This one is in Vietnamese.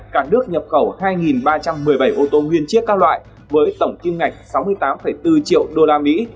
cả nước nhập khẩu hai ba trăm một mươi bảy ô tô nguyên chiếc các loại với tổng kim ngạch sáu mươi tám bốn triệu đô la mỹ